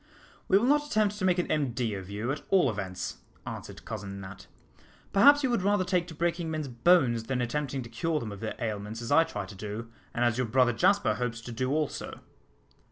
"We will not attempt to make an MD of you, at all events," answered Cousin Nat. "Perhaps you would rather take to breaking men's bones than attempting to cure them of their ailments, as I try to do, and as your brother Jasper hopes to do also."